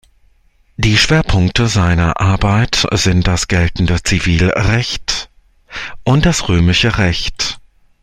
Die Schwerpunkte seiner Arbeit sind das geltende Zivilrecht und das römische Recht.